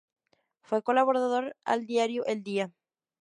Fue colaborador al diario "El Día".